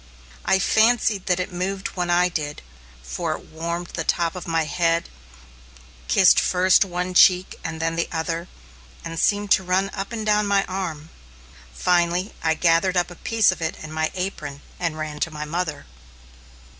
I fancied that it moved when I did, for it warmed the top of my head, kissed first one cheek and then the other, and seemed to run up and down my arm. Finally I gathered up a piece of it in my apron and ran to my mother.